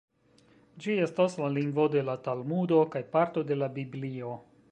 Ĝi estas la lingvo de la Talmudo kaj parto de la Biblio.